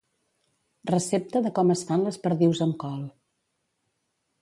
Recepta de com es fan les perdius amb col.